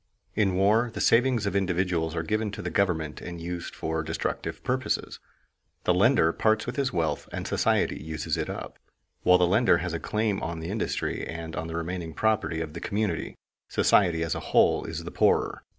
In war the savings of individuals are given to the government and used for destructive purposes. The lender parts with his wealth and society uses it up. While the lender has a claim on the industry and on the remaining property of the community, society as a whole is the poorer.